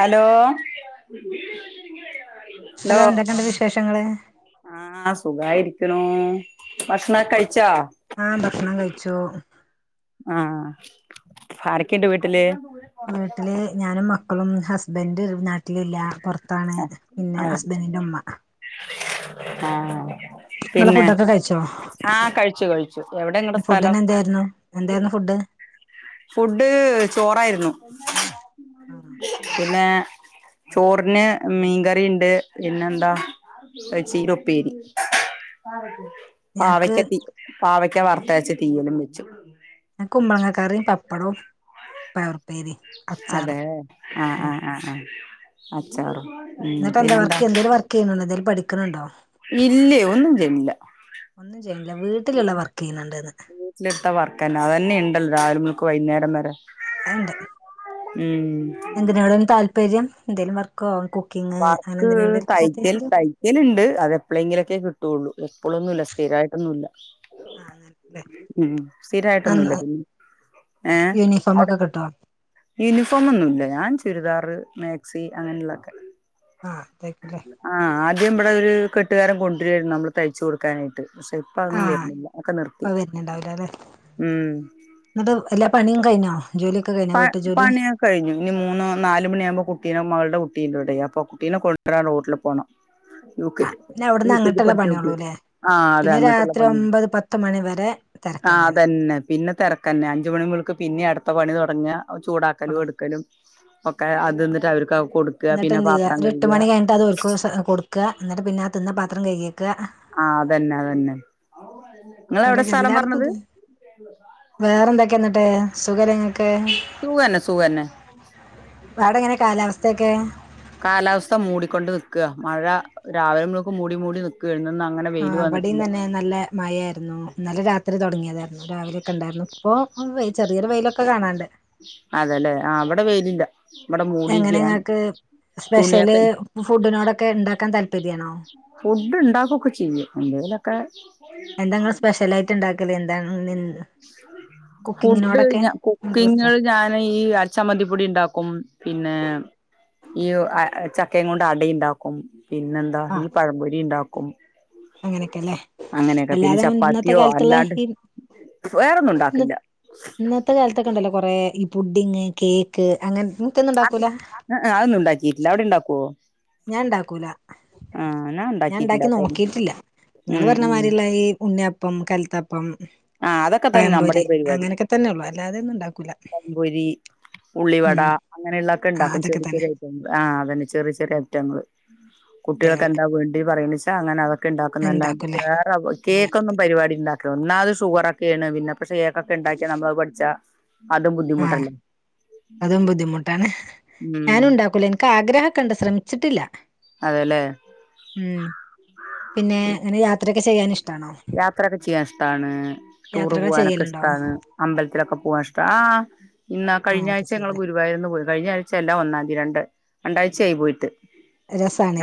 Hello [inaudible] hello എന്തൊക്കെയുണ്ട് വിശേഷങ്ങള് സുഖായിരിക്കണൂ ആഹ് ഭക്ഷണം കഴിച്ചു ആഹ് ആരൊക്കെയുണ്ട് വീട്ടില് വീട്ടില് ഞാനും മക്കളും ഹസ്ബൻഡ് നാട്ടിലില്ല പുറ ത്താണ് പിന്നെ അതെ ഹസ്ബന്റിന്റെ ഉമ്മ ആഹ് ങ്ങളെ പിന്നെ ഫുഡൊക്കെ കഴിച്ചോ ആഹ് കഴിച്ചു കഴിച്ചു എവിടെ നിങ്ങടെ സ്ഥലം ഫുഡിന് എന്തായിരുന്നു എന്തായിരുന്നു ഫുഡ് ഫുഡ് ചോറായിരുന്നു പിന്നെ [unintelligible] ഞങ്ങക്ക് പാവയ്ക്ക തീ പാവയ്ക്ക വറുത്തരച്ചു തീയലും വെച്ചു. കുമ്പളങ്ങ കറിയും, പപ്പടവും, പയറും. അതെ ആഹ ഉം ആഹ ആഹ ആഹ. അച്ചാറും. ഉം എന്നിട്ട് എന്താ പിന്നെന്താ വർക്ക് എന്തേലും വർക്ക് ചെയ്യുന്നുണ്ടോ? എന്തേലും പഠി ക്കണുണ്ടോ ഇല്ലയോ ഒന്നും ചെയ്യുന്നില്ല ഒന്നും ചെയ്യണില്ല വീട്ടിലുള്ള വർക്ക് ചെയ്യുന്നുണ്ടെന്ന് തന്നെ അതന്നെ ഉണ്ടല്ലോ രാവിലെ മുതൽക്ക് വൈകുന്നേരം വരെ ആ ഇണ്ട് ഉം എന്തിനോടാണ് താല്പ പര്യം എന്തേലും വർക്കോ കു വർക്ക് തയ്ക്കൽ തൈക്കൽ ഉണ്ട് അത് എപ്പോളെങ്കിലൊക്കെ കിട്ടുള്ളൂ എപ്പോളൊന്നുല്ല സ്ഥിരം ആയിട്ടൊന്നൂല്ല ആ അങ്ങനല്ലേ ഉം സ്ഥിരായിട്ടൊന്നൂല്ല പിന്നെ ഏഹ് യൂണിഫോം ഒക്കെ കിട്ടോ യൂണിഫോം ഒന്നൂല്ലാ ഞാൻ ചുരിദാറ് മാക്സി അങ്ങനെയുള്ളൊക്കെ ആഹ് അതെക്കെ ദ്യം നമ്മടെ ഒരു കെട്ടുകാരം കൊണ്ടുവരുകമായിരുന്നു നമ്മള് തയ്ച്ചുക കൊടുക്കാനായിട്ട് പക്ഷെ ഇപ്പ അതൊന്നും ആഹ് വരുന്നില്ല ഒക്കെ നിർത്തി ഇപ്പ വരുന്നുണ്ടാവില്ല അല്ലെ ഉം എന്നിട്ട് എല്ലാ പണിയും കയിത്തോ പ പണിയൊക്കെ കഴിഞ്ഞു ഇനി മൂന്ന് നാല് മണിയാകുമ്പോൾ കുട്ടീ മകളുടെ കു ട്ടീടെയ അപ്പൊ കുട്ടീനെ കൊണ്ടരാൻ റോട്ടില് പോണം യു ആഹ് കെല് പിന്നെ അവിടുന്ന് യു കെല് അങ്ങോട്ടുള്ള പഠിച്ച കുട്ടിയാ പണിയുള്ളൂല്ലേ ആ അതെ പിന്നെ അങ്ങോട്ടുള്ള രാത്രി പണി ഒമ്പത് പത്ത് മണി വരെ തിരക്ക് ആ തന്നെയാണ് അതന്നെ പിന്നെ തിരക്കന്നെ അഞ്ച മണിമുതൽക് പിന്നെ അടു ഇപ്പം പണി തൊ പഞ്ഞ ചൂടാക്കലും തുടങ്ങും എടുക്കലും ഒക്കെ അത് ന്നിട്ട് അവർക്കാവും എന്നിട്ട് എന്ത് ചെയ്യ ഒരു എട്ട് മണിഴിഞ്ഞട്ട് അത് [unintelligible] കൊടുക്കുക എന്നിട്ട് പിന്ന അ തിന്ന പാ ത്രം കൈകി വെക്കുക ആഹ അതന്നെ അതന്നെ ഇവിടെ നിങ്ങളെവിടെ സ്ഥലം എല്ലാടത്ത പറഞ്ഞത് ഇതന്നെ വേറെന്തൊക്ക എന്നിട്ടേ സുഖല്ലങ്ങ ക്ക് സുഖന്നെ സുഖന്നെ അവടെങ്ങനെ കാലാവസ്ഥ ത്തെക്കെ കാലാവസ്ഥ മൂടിക്കൊണ്ട് നിക്കുക മഴ രാവിലെ മുൽക്ക് മൂടി മൂടി നിക്കെയാണ് നി നാ ആ ഇവിട തന്നെ നല്ല മഴായിരുന്നു ഇന്നലെ വെ രാത്രി തുടങ്ങിയതാർരുന്നു രാവിലെയൊക്കെ ഉണ്ടായിർന്നു ഇപ്പൊ വെയി ചെറിയൊ വെയിലൊക്കെ കാണാണ്ട് അതെല്ലേ ആ അവിടെ വെയിലില്ല ഇവിടെ എങ്ങനെ മൂടിയിരിക്കയാണ് ങ്ങൾക്ക് സ്പെഷ്യല് തുണിയൊക്കെ ഫുഡിനോടൊക്കെ ഇണ്ടാക്കാൻ താല് പര്യയാണോ ഫുഡ് ഇണ്ടാക്കുകൊക്കെ ചെയ്യും എന്തെിലൊക്കെ എന്തെങ്കിലും സ്പെഷൽ ആയിട്ട് ഉണ്ടാ ക്ൽ എന്താണ് നി ഫുഡ് ഞ ഇൻട്രസ്റ്റാ കുക്കിങ്ങില് ഞാന് ഈ അരച്ചമ്മന്തിപ്പൊടി ഉണ്ടാക്കും, പിന്നെ ഈ ഒ അ അ ചക്കയും കൊണ്ട് അട ഉണ്ടാക്കും. പിന്നെന്താ ഈ പഴംമ്പൊരി ഇണ്ടാ ക്കും. അങ്ങനെയൊക്കെയല്ലെ, അല്ലാതെ ഇന്നത്തെ ചപ്പാത്തിയോ കാലത്തുള്ള അല്ലാണ്ട് ഈ വേറൊന്നും ഉണ്ടാക്കില്ല. ണ്ടല്ലോ കുറേ ഈ പുുഡിങ്, കേക്ക് അങ്ങനെ ഇങ്ങക്കൊന്നും അത് ഇണ്ടാക്കൂല ഏഹ് ഏഹ് അതൊന്നും ഉണ്ടാക്കിട്ടില്ല അവിടെ ഉണ്ടാക്കുവോ ഞാൻ ഉണ്ടാക്കൂല ആ ഞാൻ ഉണ്ടാക്കിയിട്ടില്ല ഇണ്ടാക്കി അപ്പം നോക്കിട്ടില്ല ഇങ്ങള് ഉം ഉം പറഞ്ഞമാതിരിള്ള ഈ ഉണ്ണിയപ്പം കലത്തപ്പം ആഹ് അതൊക്കെ തന്നെ പഴംപൊരി നമ്മുടേം പരിപാടി അങ്ങനെയൊക്കെ തന്നെ ഒള്ളു അല്ലാതെയൊന്നും ഇണ്ടാക്കൂല പമ്പൊരി ഉള്ളിവട ഉം അങ്ങനെയുള്ളൊക്കെ ആഹ് ഇണ്ടാക്കും അതൊക്കെ തന്നെ ചെറിചെറി ഐറ്റങ്ങള് ആ അതന്നെ ചെറി ചെ റ്യ ഐറ്റങ്ങള് കുട്ടികൾക്ക് കുട്ടികള് എന്താ വേണ്ട് പറയ്ണ്ച്ച ച അങ്ങന അവ ക്കെ ഇണ്ടാക്കുന്നല്ലാണ്ട് ഇണ്ടാക്കൂലേ വേറെ കേക്കൊന്നും പരിവാടി ഇണ്ടാ ഇക്ക്യൊന്നാത് സ് ഷുഗർ ഒക്കേണ് പിന്നെ പക്ഷെ കേക്കൊക്കെ ഉണ്ടാക്കി നമ്മളത് പഠിച്ചാ അതും ആഹ് ബുദ്ധിമുട്ടല്ലേ അതും ബുദ്ധിമുട്ടാണ് ഉം ഞാനുണ്ടാക്കൂല എനിക്ക് ആഗ്രഹം ഒക്കെണ്ട് ശ്രമി ച്ചിട്ടില്ല അതെല്ലേ ഉം പിന്നെ ഇങ്ങനെ യാ ത്രക്കെ ചെയ്യാനിഷ് യാത്രാ ക്കെ ചിയ്യാഷ് ട്ടാണ് ടൂറ് യാത്രകൾ പുവ്വാനൊക്കെ ചെയ്യലുണ്ടോ ഇഷ്ടാണ് അമ്പലത്തിലൊക്കെ പുവാൻ ഇഷ്ടാ ആഹ് ഇന്ന കഴിഞ്ഞ അങ്ങനൊക്കെ ആഴ്ച ങ്ങള് ചെയ്യല്ലേ ഗുരുവായൂരൊന്ന് പോയി കഴിഞ്ഞ ആഴ്ച അല്ല ഒന്നാം തീ രണ്ട് രണ്ടാഴ്ചയായി പോയിട്ട്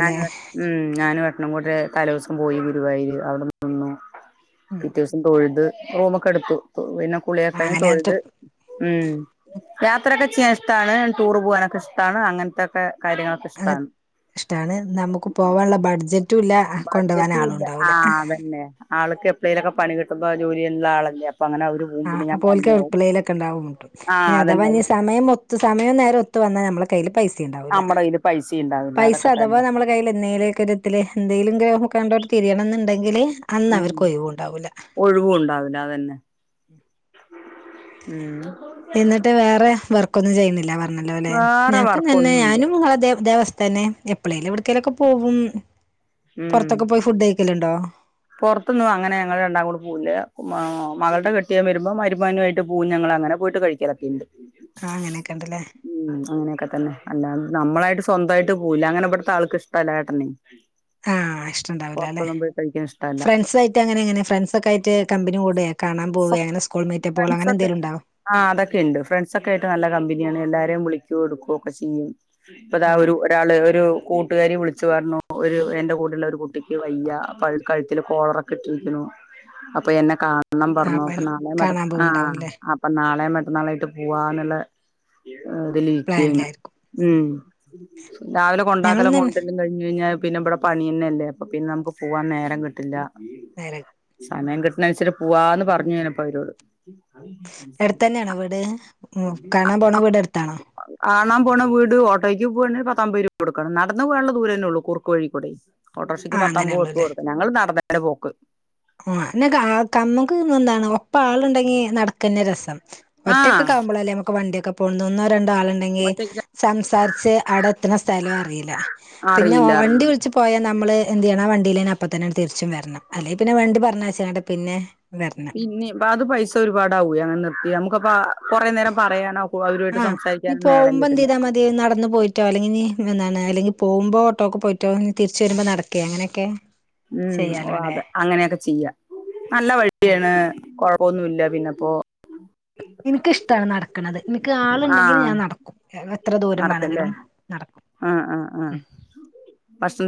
ഞാൻ ഉം ഞാനും ഏട്ടനും കൂടെ തലോസം പോയി ഗുരുവായൂര് അവിടെ നിന്നു ഉം പിറ്റേവ്സം തൊഴുത് റൂമ് ഒക്കെ എടുത്തു ത്തു പിന്നെ കുളിയക്കഴിഞ്ഞ് അങ്ങനെ അത് തൊഴുത് ഉം യാത്രയൊക്കെ ചെയ്യാൻ ഇഷ്ടാണ് ടൂർ പുവ്വാനൊക്കെ ഇഷ്ടാണ് അങ്ങനത്തൊക്കെ കാര്യങ്ങളൊക്കെ അതെ ഇഷ്ടാണ് ഇഷ്ടാണ് നമുക്ക് പോവാള്ള ബഡ്ജ റ്റൂല്ല കൊണ്ടോവാൻ ബഡ്ജറ്റും ആളും ഇല്ല ഉണ്ടാവൂല ആഹ് അതന്നെ ആൾക്ക് എപ്പ്ളേലൊക്കെ പണി കിട്ടുമ്പോ ജോലി ഉള്ള ആളല്ലേ അ ആഹ് അപ്പോൽക്ക് എപ്പളേലൊക്കെ ഇണ്ടാവൊള്ളു ട്ടോ ആഹ് ഇനി അഥവാ അതന്നെ ഞ് സമയം ഒത്ത് സമയം നേരോം ഒത്തു വന്നാ നമ്മള് കയ്യില് പൈസ് സീണ്ടാവൂല നമ്മടെ കയ്യില് പൈസയും ഉണ്ടാവില്ല പൈസ അതൊക്കെ അഥവാ തന്നെ നമ്മളെ കയ്യില് എന്നേലൊക്കൊരുദില് എന്തേലും ഗ്രോഹക്കണ്ടോട്ത് തിരിയണംന്നുണ്ടെങ്കില് ഉം ഒഴിവും ഉണ്ടാവുല അതന്നെ [unintelligible] ഉം എന്നിട്ട് വേറെ വർ ർക്ക് ഒന്നും ചെയ്യുന്നില്ല വർ നല്ല പോലെ, വേറെ ഞങ്ങക്ക് തന്നെ വർക്കൊന്നുല്ല ഞാനും [unintelligible] തന്നെ എപ്പളേലും എവിടക്കേലൊക്കെ പോകും. പുറത്തൊക്കെ പോയി ഫുഡ് കഴി പുറത്തുന്നും അങ്ങനെ ഞങ്ങൾ രണ്ടാളുംകൂടി പൂവില്ല, മ മകളുടെ കെട്ടിയോൻ വരുമ്പോൾ മരുമോനുമായിട്ട് പൂവും, ഞങ്ങളങ്ങനെ പോയിട്ട് കഴിക്കലൊക്കെയുണ്ട്. ഉം. ആ അങ്ങനെയൊക്കെ ഉണ്ടല്ലേ ട്ടു പോവില്ല, അങ്ങനെ ഇവിടുത്തെ ആൾക്ക് ഇഷ്ടമല്ലയേട്ടന്. ആഹ ഇഷ്ടവുണ്ടാവില്ല, അല്ലെ? കഴിക്കാൻ ഇഷ്ടമല്ല ഫ്രണ്ട്സ് ആയിട്ട് അങ്ങനെ ഇങ്ങനെ ഫ്രണ്ട്സ്ഒക്കെ ആയിട്ട് കമ്പനി കൂടെ കാണാൻ പോവുകയ അങ്ങനെ സ്കൂൾ മീറ്റപ്പുകൾ അങ്ങനെ ഫ്രണ്ട്സൊക്കെ എന്തെങ്കിലും ഉണ്ടോ? ആഹ് എല്ലാരേം വിളിക്കുവോ, എടുക്കുകയു ഒക്കെ ചെയ്യും. ഇപ്പതാ ആ ഒരു, ഒരാള് ഒരു കൂ കൂട്ടുകാരി വിളിച്ചു പറഞ്ഞു, ഒരു എന്റെ കൂടുള്ള ഒരു കുട്ടിക്ക് വയ്യ അപ്പ അതി കഴുത്തിൽ കോളറൊക്കെ ഇട്ടിരിക്കുണു, അപ്പൊ എന്നെ കാണ ണ്ണം ആ പറഞ്ഞു, അപ്പൊ പനി നാളെയോ മറ്റ് കാണാൻ ആഹ് പോവുണ്ടാവുംല്ലേ അപ്പൊ നാളെയോ മറ്റന്നോളായിട്ട് പോവാന്നുള്ള [inaudible] അത് ലീക്കാണ് ഉം രാവിലെ ഞങ്ങളും കൊണ്ടാക്കലും തന്നെ കൊണ്ടുവന്നും കഴിഞ്ഞ് കഴിഞ്ഞാൽ പിന്നെ വ്ടെ പണി തന്നല്ലെ അപ്പൊ പിന്നെ നമുക്ക് പോകാൻ നേരം നിന്ന്ട്ട്ല്ല നേരായി സമയം കിട്ടണനുസരിച്ച് പോവാന്ന് പറഞ്ഞു ഞാനിപ്പവരോട് അടുത്ത തന്നെയാണോ വീട് ഉം കാണാൻ ആ പോണ വീട് അടുത്താണോ കാണാൻ പോണ വീട് ഓട്ടോയ്ക്ക് പോവാണേ പത്തൻപത് രൂപ കൊടുക്കണം നടന്ന് പോകാനുള്ള ദൂരം തന്നേയുള്ളൂ, കുറുക്കുവഴിക്കൂടെ ഓട്ടോറിക്ഷയ്ക്ക് ആ പത്തൻപത് റുപ്പി കൊടുക്കണം നടന്നന്നെ പോകു ആ [unintelligible] ഒപ്പ ആളുണ്ടെങ്കി നടക്കുന്നെ രസം ആഹ് ഒറ്റയ്ക്കൊക്കെയാവുമ്പോളല്ലേ നമുക്ക് വണ്ടി [unintelligible] ഒന്നോ രണ്ടോ ആളുണ്ടെങ്കിൽ ഒറ്റക്ക് സംസാരിച്ച് അവിടെ എത്തുന്ന സ്ഥലം അറിയില്ല, പിന്നെ അറിയില്ല വണ്ടി അറിയില്ല വിളിച്ച് പോയാ നമ്മള് എന്ത് ചെയ്യണാ ആ വണ്ടിയില് അപ്പ ത്തന്നെ തിരിച്ചും വരണം അല്ലേൽ പിന്നെ വണ്ടി പറഞ്ഞാച്ചേട്ടെ പിന്നെ പിന്നെ ബാക്കി പൈസ ഒരുപാട് ആകുവോ അങ്ങനെ നിർത്തിയാൽ ഗപ്പ [unintelligible] കുറെ നേരം പറയാനോ അവരുമായിട്ട് ആഹ് ഇനി സംസാരിക്കാനോ നേരം പോകുമ്പോ കിട്ടില്ല എന്നാണ് അല്ലെങ്കിൽ പോകുമ്പോ ഓട്ടോ ഒക്കെ പോയിട്ടോ തിരിച്ചു വരുമ്പോ നടക്കുക അങ്ങനെയൊക്കെ ഉം ഓ ചെയ്യാലോ ല്ലേ അതെ അങ്ങനെയൊക്കെ ചെയ്യാ നല്ല വഴിയാണ് കൊഴപ പ്പൊന്നുമില്ല പിന്നെപ്പോ എനിക്കിഷ്ടമാണ് നടക്കണത് എനിക്ക് ആളുണ്ടെങ്കിൽ ആഹ് ഞാൻ നടക്കും എത്ര ദൂരം നടക്കല്ലേ വേണമെങ്കിലും നടക്കും ആ ആ ആ ഉം പസ്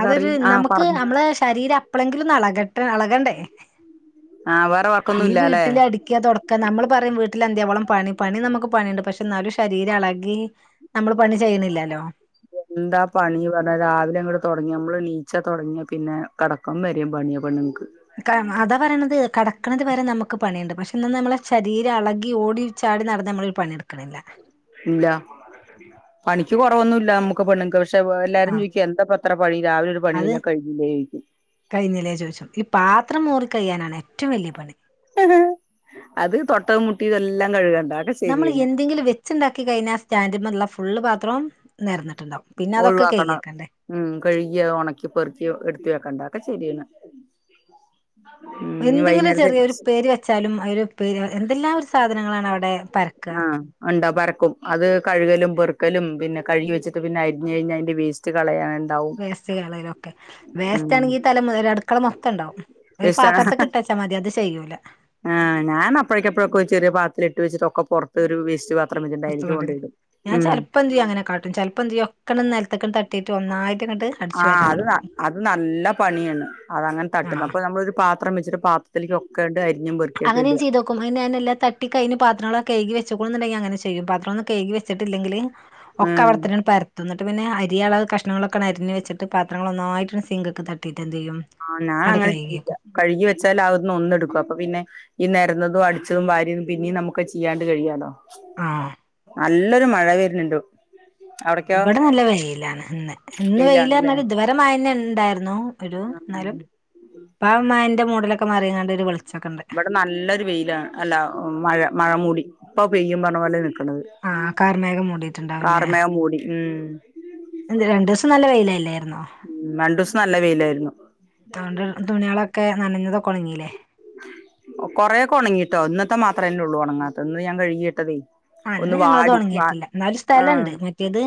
അതൊരു നമുക്ക് നമ്മളെ ശരീരം എപ്പഴെങ്കിലും എളകട്ടെ എളക്കേണ്ട ആഹ് വേറെ ഈ വർക്കൊന്നും ഇല്ലാല്ലെ വീട്ടിൽ അടിക്കാ തൊടക്ക നമ്മള് പറയാം വീട്ട വീട്ടിൽ അന്തയാവോളം പണി പണി നമുക്ക് പണിയുണ്ട് പക്ഷെ എന്നാലും ശരീരം അളകി നമ്മള് പണി ചെയ്യുന്നില്ലല്ലോ എന്താ പണി പറഞ്ഞാ രാവിലെ അങ്ങടെ തൊ നമ്മൾ നീച്ച തുടങ്ങിയ പിന്നെ കടക്കം വരയും പണിയക്ക് അതാ പറയണത് കടക്കണന്നത് വരെ നമുക്ക് പണിയുണ്ട് പക്ഷെ ഇന്നന്ന് നമ്മളെ ശരീരം അളകി ഓടി ചാടി നടന്നന്ന് നമ്മളൊരു പണിയെടുക്കണില്ല ഇല്ല പണിക്ക് കൊറവൊന്നുമല്ല നമ്മുക്ക് പെണ്ണക്ക് പക്ഷെ എല്ലാരും ആഹ് ചോദിക്കും എന്താപ്പ അത്ര പണി രാവിലെ ഒരു പണി അത് കഴിഞ്ഞാൽ കഴില്ലേ ചോദിക്കും ചെയ്യാനാണ് ഏറ്റവും വലിയ പണി അത് തൊട്ടവും മുട്ടി ഇതെല്ലാം കഴുകാൻ നമ്മൾ എന്തെങ്കിലും വെച്ചുണ്ടാക്കി കഴിഞ്ഞാ ആ സ്റ്റാൻഡുള്ള ഫുള്ള് പ ത്രൺ ഒഴിവാക്കണം ഉം കഴുകിയ ഉണക്കി പെറുക്കി എടുത്തി വെക്കണ്ടാക്ക ഒക്കെ ശെരിയാണ് എന്തെങ്കിലും ചെറിയ ഒരു പേര് വെച്ചാലും അയില് പേര് എന്തെല്ലാം ഒരു സാധനങ്ങളാണ് അവിടെ പരക്കാ വറക്കും അത് കഴുകലും പെറുക്കലും പിന്നെ കഴുകി വെച്ചിട്ട് പിന്നെ അരിഞ്ഞ് കഴിഞ്ഞ് അതിന്റെ വേസ്റ്റ് കളയ വേസ്റ്റ്കളയാലുമൊക്കെ ഉം വേസ്റ്റ് ആണെങ്കി തലമൊതല് അടുക്കള മൊത്തം ണ്ടാവും ഒരു പാത്രത്തി ഇട്ടച്ചാ മതി അത് ചെയ്യൂല ആ ഞാൻപ്പഴേക്കെപ്പോഴൊക്കെ ഒരു ചെറിയാപത്ത ഇട്ട് വെച്ചിട്ടൊക്കെ പൊറത്ത് ഒരു വേസ്റ്റ് പാ [unintelligible] ഞാൻ ചെലപ്പോ എന്തുചെയ്യും അങ്ങനെ കാട്ടും ചെലപ്പോ എക്കന്നെ നെലത്ത്‌ക്ക് തട്ടിട്ട് ഒന്നായി ആ അത് അത് നല്ല പണിയാണ് അതങ്ങനെ തട്ടുന്ന ആഹ് അപ്പൊ നമ്മളോരു പാ ത്രം വെച്ചിട്ട് പാത്രത്തിലേക്ക് ഒക്കെ അങ്ങനെ ഞാൻ ചെയ്യ്തേക്കും അ ഞാൻ എല്ലാം തട്ടി കൈയിഞ്ഞ് പാത്രങ്ങളക്ക കയികി വെച്ചു [unintelligible] അങ്ങനെ ചെയ്യും പാത്രം ഒന്നും കഴുകി വെച്ചിട്ടില്ലങ്കില് ഒക്കെ ഉം അവിടത്തന്നാണ് പര ത് നിട്ട് പിന്നെ അരിയള കഷണങ്ങളൊക്കണരിഞ്ഞ് വെച്ചിട്ട് പത്രങ്ങളൊന്നായിട്ട് സിങ്കക്കെ തട്ടി ആ ഞാനങ്ങനെ ചെയ്യില്ല കഴ്കി വെച്ചാല് ആഅ്ന്ന് ഒന്നട്ക്കും അപ്പൊ പിന്നെ ഈ നെരന്നതും അടിച്ചതും വാര്യതും പിന്നിം നമുക്കഅ് ചെയ്യാണ്ട് കഴിയാലോ ആ ല്ലൊരു മഴ വെര്ന്ന്ണ്ട് ഇവിടെ നല്ല വെയിലാണ് ഇന്ന് ഇന്ന് വെയിലാണല്ലേ വെയിലർഞ്ഞാല് ഇത് വരെ മഴ ന്നെണ്ടായിര് ന്നോ ഒരു ഉം ഉം ന്നാലും പ്പംമഴന്റെ മു വെയ്ലൊക്കെ മാറിങ്ങാണ്ട് ഒരു വെൾ ഇബടെ നല്ലൊരു വെയിലാ അല്ല മഴ മഴ മൂടി ഇപ്പ പെയ്യും പർഞ്ഞ പോലെ നി ആ കാർമേഘം മൂടിട്ട്ണ്ടാവുംല്ലേ കാർമേഘം മൂടി ഉം എന്തേ രണ്ടൂസം നല്ല വെയിലാ ഉം രണ്ടൂസം നല്ല വെയിലായിരുന്നു. ക്കെ നനഞ്ഞതക്കൊണങ്ങീലെ കൊറേ ക്കെ ഒണങ്ങിട്ടോ ഇന്നത്തെ മാത്രന്നെള്ളൂ ഒണങ്ങാത്തെ ഇന്ന് ഞാൻ കഴ്കിയിട്ടതേ ആ ഇന്ന് ഞങ്ങൾത് ഒണങ്ങിട്ടില്ല ഇന്നാലും സ്ഥലണ്ട് ആഹ് മറ്റേത്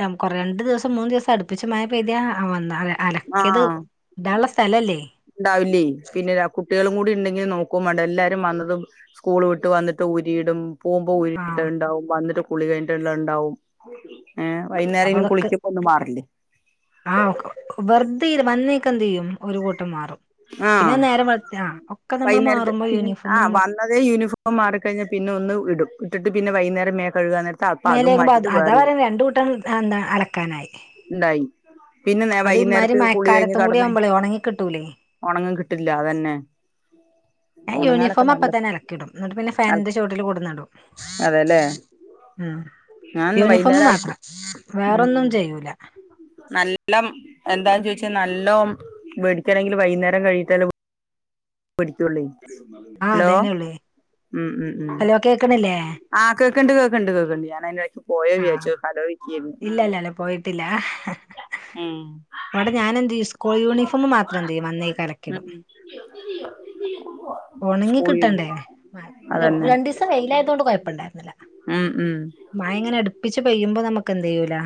നാം കൊറ രണ്ടു ദിവസം മൂന്നു ദിവസം അട്പ്പിച്ച് മഴ പെയ്ത ആ ഒന്നാകെ ആ ഇണ്ടാവില്ലേ പിന്നെ രാ കുട്ടികളും കൂടി ഇണ്ടെങ്കിൽ നോക്കേം വേണ്ട എല്ലാരും വന്നതും സ്കൂള് വിട്ട് വന്നട്ട് ഊരിയിടും. പോകുമ്പ ആഹ് ഊരിട്ടണ്ടാവും വന്നിട്ട് കുളി കഴിഞ്ഞിട്ടിള്ളത് ഇണ്ടാവും ഏഹ് വൈന്നേരം അപ്പൊ ഇനി അതൊക്കെ കുളിക്കുമ്പ ഒന്നു മാറില്ലേ തീരും വന്നേക്ക് എന്തെയ്യും ഒരു കൂട്ടം മാറും പിന്നെ ആഹ്‌ നേരം വെളുത്ത ആ ഒക്കെ നമ്മൾ വൈന്നേരത്തെ മാറുമ്പോ പിൻ ആ യൂണിഫോമും വന്ന തേ യൂനിഫോം മാറിക്കഴിഞ്ഞാൽ പിന്നെ ഒന്ന് ഇടും ഇട്ടിട്ട് പിന്നെ വൈന്നേരം നേ മേലേയ്കുമ്പോ അത് അതാ പറണത് രണ്ട് കൂട്ടം ദ എന്താ അലക്കാനായി ഇണ്ടായി പിന്നെ നേ അത് ഇമ്മായ്രി വൈകുന്നേരത്ത് കുളി കഴിഞ്ഞ് മഴക്കാലത്തും കൂടി കടന്ന് ആവുമ്പളേ ഒണങ്ങി കിട്ടൂലേ ഒണങ്ങും കിട്ടില്ല അതന്നെ ഞാൻ ഒണങ്ങാനൊക്കെ യൂണിഫോം അപ്പ നല്ല തന്നെ അലക്കിടും എന്നിട്ട് പിന്നെ അൽ ഫാനിന്റെ ചോട്ടില് കൊടന്നിടും അതെല്ലേ ഉം ഞാൻന്ന് യൂണിഫോമ് വൈകുന്നേരം അലക്കി മാത്രം വേറൊന്നും ചെയ്യൂല ല്ലം എന്താന്ന് ചോദിച്ചാ നല്ലോം വെടി തണെങ്കിലും വൈന്നേരം കഴിഞ്ഞിട്ട ല്ലേ പിടിക്കുള്ളി ആ ഹലോ അതന്നെ ഉള്ളൂ ഉംഉം ഹലോ കേക്കണില്ലേ ഉംആഹ് കേക്കു കണ്ട് കേക്ക്‌ണ്ട് കേക്ക്‌ണ്ട് കേക്ക്ണ്ട് ഞാനയ് പോയോ ആ വ്യ ച്ചോ കധോ വിക്കിർന്ന് ഉം ഇല്ലല്ലല്ല ഉം അവിടെ ഞാനെന്തീസ് സ്കൂൾ യൂണിഫോം മാത്രം എന്ത് ചെയ്യും വന്നേ അലക്കിയിടും ഉം ഒണങ്ങി സ്കൂളിൽ കിട്ടണ്ടേ അതന്നെ രണ്ടിസം വെയിലായതുകൊണ്ട് കൊഴപ്പ ഇണ്ടായിരുന്നില്ല ഉം ഉം മഴ ഇങ്ങനെ അടുപ്പിച്ച് പെയ്യ കുമ്പ നമുക്ക് എന്ത് ചെയ്യൂല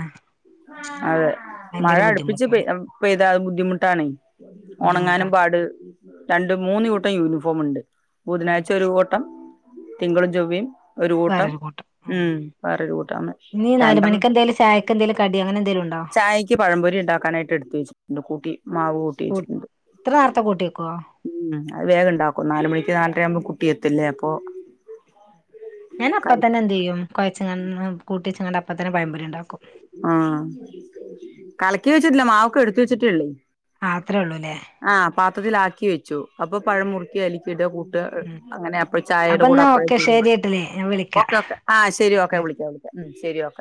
അതെ മഴ ഭയങ്കര അടുപ്പിച്ച് ബുദ്ധിമുട്ടാണ് പെയ്താ അത് ബുദ്ധിമുട്ടാണേ ഒണങ്ങാനും ബുദ്ധിമുട്ടാണ് പാട് രണ്ട് മൂന്ന് കൂട്ടം യുണിഫോ ഫോമ്ണ്ട് ഉം ബുധനാഴ്ച ഒരു കൂട്ടം തിങ്കളും ചൊവ്വം വേറൊരു കൂട്ടം ഉം കൂട്ടം ഇനിനാലു രണ്ടെണ്ണം മണിക്കെന്തേലും ചായക്ക് എന്തേലും കടി അങ്ങനെ എന്തേലും ഉണ്ടോ ചായക്ക് പഴംമ്പൊരി ഉണ്ടാക്കാനായിട്ട് എടുത്ത് വെച്ചിട്ടുണ്ട് മാവ് കൂട്ടി കൂ വെച്ചിട്ടുണ്ട് ഇത്ര നേർത്തെ കൂട്ട്യക്കൊ അഹ് വേഗം ഉണ്ടാക്കും നാല്മണിക്ക് നാലര ആവുമ്പോൾ കുട്ടിയ എത്തില്ലേ അപ്പോൾ ഞാൻ അപ്പ തന്നെ എന്ത് ചെയ്യും കൊഴച്ച് ങ്ങാണ്ട് കൂട്ട്യ ച്ച് ങ്ങാണ്ട് അപ്പം തന്നെ പഴം പൊരിണ്ടാക്കും ആഹ് കളക്കി വെച്ചിട്ടില്ല മാവെക്കെ എടുത്തുവെച്ചിട്ടേ ഉള്ളു ആ അത്രേ ഉള്ളൂല്ലേ ആ പാത്രത്തിലാക്കി വെച്ചു അപ്പൊ പഴം മുറ്ക്കിയാലി ഇട കൂട്ട ഉം അങ്ങനെ അപ്പഴും ചായയുടെ അപ്പൊ കൂടെ എന്നാ ഓക്കെ അപ്പഴായിണ്ട് ശരിയേട്ടില്ലേ ഞാൻ വിളിക്കാം ഓക്കെ ഓക്കെ ആ ശരി ഓക്കെ വിളിക്കാം വിളിക്കാം ഉ ശരി ഓക്കെ